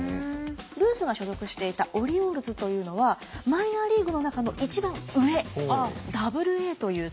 ルースが所属していたオリオールズというのはマイナーリーグの中の一番上ＡＡという所。